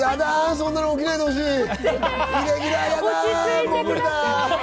そんなの起きないでほしい！